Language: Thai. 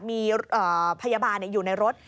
มีพยาบาลอยู่ในรถ